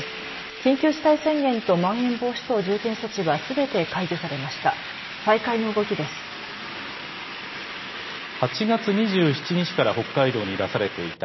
緊急事態宣言とまん延防止等重点措置はすべて解除されました。